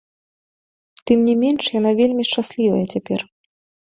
Тым не менш, яна вельмі шчаслівая цяпер.